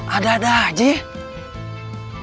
ada ada aja ya